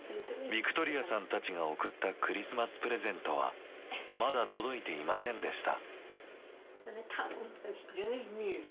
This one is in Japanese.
ヴィクトリヤさんたちが送ったクリスマスプレゼントはまだ届いていませんでした。